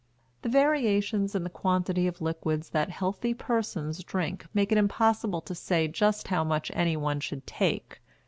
The variations in the quantity of liquids that healthy persons drink make it impossible to say just how much anyone should take.